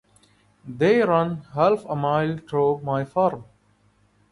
They run half a mile through my farm.